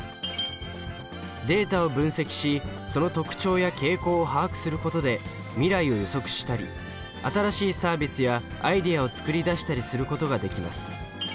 データを分析しその特徴や傾向を把握することで未来を予測したり新しいサービスやアイデアを作り出したりすることができます。